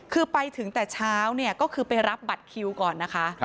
คือไปถึงแต่เช้าเนี่ยก็คือไปรับบัตรคิวก่อนนะคะ